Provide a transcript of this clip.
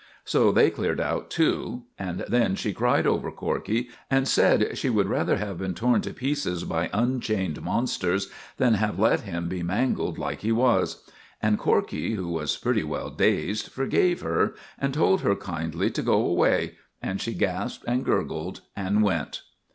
So they cleared out too; and then she cried over Corkey, and said she would rather have been torn to pieces by unchained monsters than have let him be mangled like he was. And Corkey, who was pretty well dazed, forgave her, and told her kindly to go away. And she gasped and gurgled, and went.